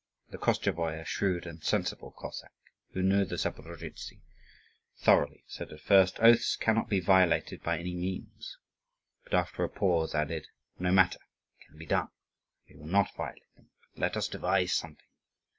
The Koschevoi, a shrewd and sensible Cossack, who knew the Zaporozhtzi thoroughly, said at first, "Oaths cannot be violated by any means"; but after a pause added, "No matter, it can be done. We will not violate them, but let us devise something.